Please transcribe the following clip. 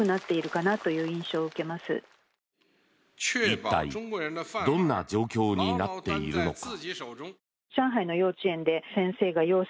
一体、どんな状況になっているのか。